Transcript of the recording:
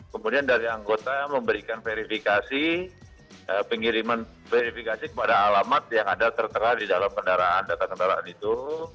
kemudian dari anggota memberikan verifikasi pengiriman verifikasi kepada alamat yang ada tertera di dalam kendaraan data kendaraan itu